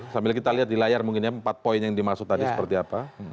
sambil kita lihat di layar mungkin ya empat poin yang dimaksud tadi seperti apa